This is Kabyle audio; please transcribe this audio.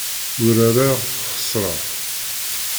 Urareɣ, xesreɣ.